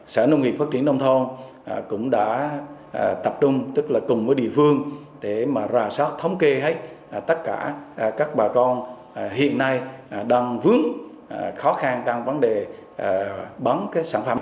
sở ngpt cũng đã tập trung tức là cùng với địa phương để mà rà soát thống kê hết tất cả các bà con hiện nay đang vướng khó khăn trong vấn đề bán sản phẩm